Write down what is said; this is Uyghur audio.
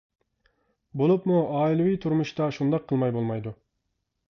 بولۇپمۇ ئائىلىۋى تۇرمۇشتا شۇنداق قىلماي بولمايدۇ.